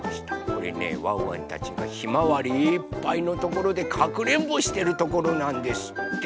これねワンワンたちがひまわりいっぱいのところでかくれんぼしてるところなんですって。